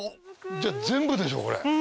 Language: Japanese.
じゃ全部でしょこれ。